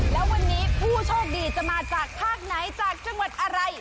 แล้ววันนี้ผู้โชคดีจะมาจากภาคไหนจากจังหวัดอะไร